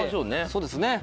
そうですね。